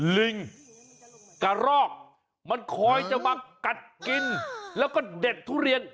ลิงกระรอกมันคอยจะมากัดกินแล้วก็เด็ดทุเรียน